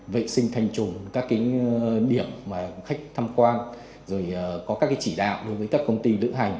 vệ sinh thanh trùm các điểm khách tham quan rồi có các chỉ đạo đối với các công ty lữ hành